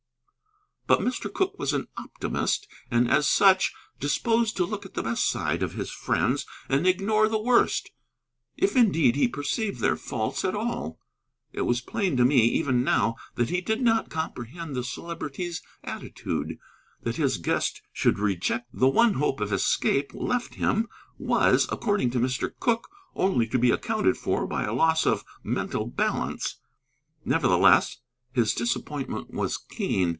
But Mr. Cooke was an optimist, and as such disposed to look at the best side of his friends and ignore the worst; if, indeed, he perceived their faults at all. It was plain to me, even now, that he did not comprehend the Celebrity's attitude. That his guest should reject the one hope of escape left him was, according to Mr. Cooke, only to be accounted for by a loss of mental balance. Nevertheless, his disappointment was keen.